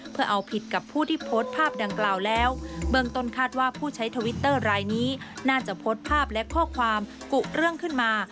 เพื่อเอาผิดกับผู้ที่โพสต์ภาพดังกล่าวแล้วเบื้องต้นคาดว่าผู้ใช้ทวิตเตอร์รายนี้น่าจะโพสต์ภาพและข้อความกุเรื่องขึ้นมา